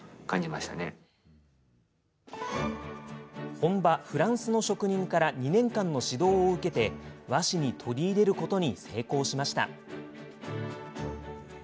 本場フランスの職人から２年間の指導を受けて和紙に取り入れることに成功しました。